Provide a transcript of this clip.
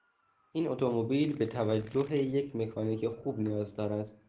این اتومبیل به توجه یک مکانیک خوب نیاز دارد.